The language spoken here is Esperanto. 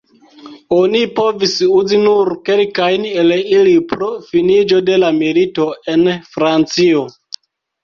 Oni povis uzi nur kelkajn el ili pro finiĝo de la milito, en Francio.